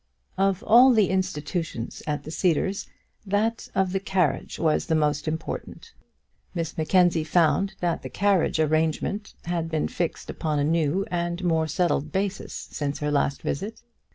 Of all the institutions at the Cedars that of the carriage was the most important. Miss Mackenzie found that the carriage arrangement had been fixed upon a new and more settled basis since her last visit.